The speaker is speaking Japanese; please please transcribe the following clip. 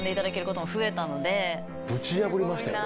ぶち破りましたよね。